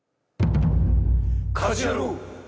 『家事ヤロウ！！！』。